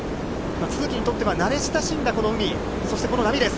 都筑にとっては、慣れ親しんだこの海、そしてこの波です。